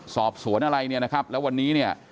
สอบสวนอะไรเนี่ยนะครับแล้ววันนี้เนี่ย